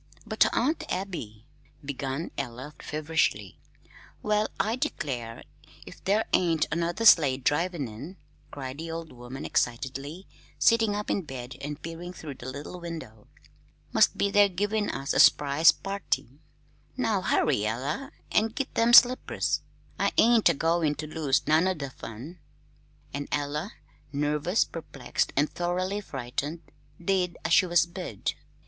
"But, Aunt Abby " began Ella, feverishly. "Well, I declare, if there ain't another sleigh drivin' in," cried the old woman excitedly, sitting up in bed and peering through the little window. "Must be they're givin' us a s'prise party. Now hurry, Ella, an' git them slippers. I ain't a goin' to lose none o' the fun!" And Ella, nervous, perplexed, and thoroughly frightened, did as she was bid.